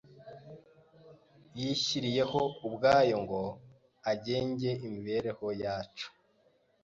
yishyiriyeho ubwayo ngo agenge imibereho yacu